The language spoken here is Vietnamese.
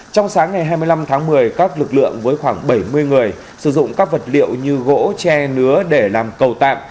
trong sáng ngày hai mươi năm tháng một mươi các lực lượng với khoảng bảy mươi người sử dụng các vật liệu như gỗ tre nứa để làm cầu tạm